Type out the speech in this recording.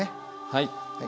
はい。